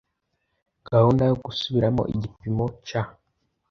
gahunda yo gusubiramo igipimo c